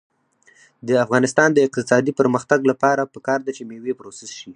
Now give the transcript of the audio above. د افغانستان د اقتصادي پرمختګ لپاره پکار ده چې مېوې پروسس شي.